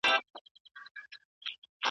دوست ته حال وایه دښمن ته لاپي